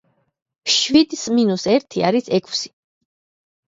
შვიდს მინუს ერთი არის ექვსი.